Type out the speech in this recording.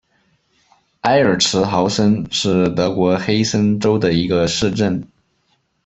埃尔茨豪森是德国黑森州的一个市镇。